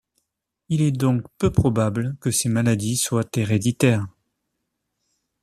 Il est donc peu probable que ces maladies soient héréditaires.